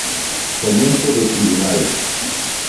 Poñente do Tribunal.